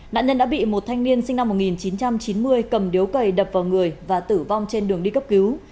nạn nhân đã bị một thanh niên sinh năm một nghìn chín trăm chín mươi cầm điếu cày đập vào người và tử vong trên đường đi cấp cứu